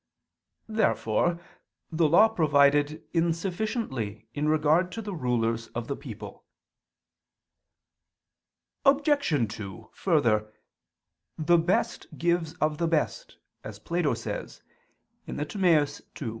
Therefore the Law provided insufficiently in regard to the rulers of the people. Obj. 2: Further, "The best gives of the best," as Plato states (Tim. ii).